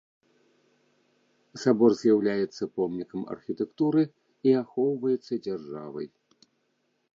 Сабор з'яўляецца помнікам архітэктуры і ахоўваецца дзяржавай.